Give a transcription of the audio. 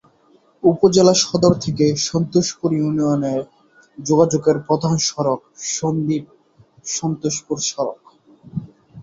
উপজেলা সদর থেকে সন্তোষপুর ইউনিয়নে যোগাযোগের প্রধান সড়ক সন্দ্বীপ-সন্তোষপুর সড়ক।